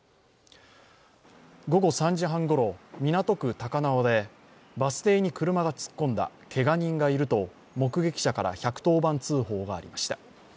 午後３時半ごろ、港区高輪でバス停に車が突っ込んだ、けが人がいると目撃者から１１０番通報がありました。